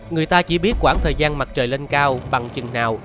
người ta chỉ biết khoảng thời gian mặt trời lên cao bằng chừng nào